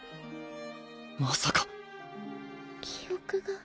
まさか記憶が。